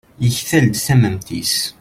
yektal-d tamemt-is